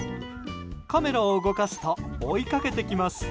カメラを動かすと追いかけてきます。